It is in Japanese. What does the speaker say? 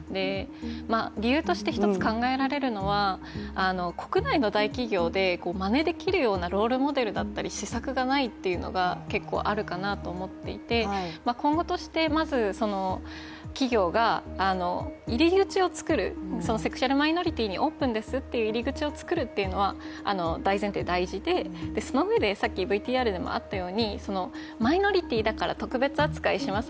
理由として一つ考えられるのは国内の大企業でまねできるようなロールモデルだったり、施策がないのは結構あるかなと思っていて、今後としてまず、企業が入り口を作る、セクシャルマイノリティにオープンですという入り口を作るのが大前提大事で、そのうえでマイノリティーだから特別扱いします